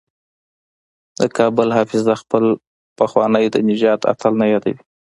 د کابل حافظه خپل پخوانی د نجات اتل نه یادوي.